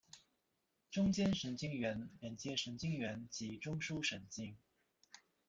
中间神经元连接神经元及中枢神经。